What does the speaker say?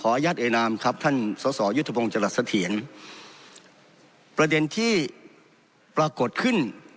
อนุญาตเอนามครับท่านสอสอยุทธพงศ์จรัสเถียรประเด็นที่ปรากฏขึ้น